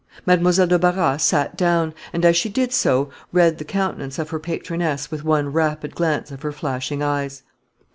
Mademoiselle de Barras sate down, and, as she did so, read the countenance of her patroness with one rapid glance of her flashing eyes.